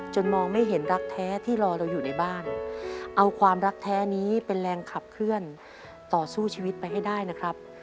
มองไม่เห็นรักแท้ที่รอเราอยู่ในบ้านเอาความรักแท้นี้เป็นแรงขับเคลื่อนต่อสู้ชีวิตไปให้ได้นะครับ